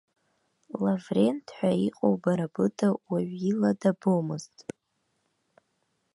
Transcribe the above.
Лаврент ҳәа иҟоу бара быда уаҩ ила дабомызт.